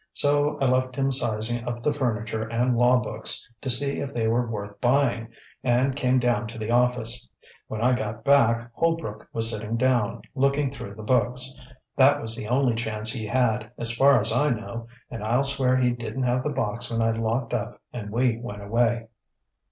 So I left him sizing up the furniture and law books, to see if they were worth buying, and came down to the office. When I got back Holbrook was sitting down, looking through the books. That was the only chance he had, as far as I know, and I'll swear he didn't have the box when I locked up and we went away."